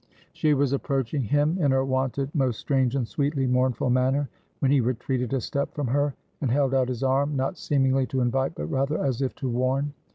She was approaching him in her wonted most strange and sweetly mournful manner, when he retreated a step from her, and held out his arm, not seemingly to invite, but rather as if to warn.